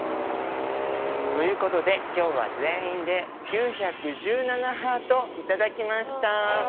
ということで今日は全員で９１７ハート頂きました。